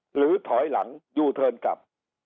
หรือถอยหลังยูเทิร์นกลับ